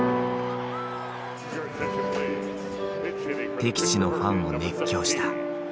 敵地のファンも熱狂した。